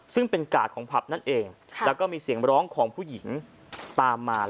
ซึ่งเป็นกาดของผับนั่นเองแล้วก็มีเสียงร้องของผู้หญิงตามมา